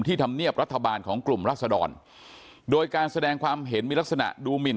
ธรรมเนียบรัฐบาลของกลุ่มรัศดรโดยการแสดงความเห็นมีลักษณะดูหมิน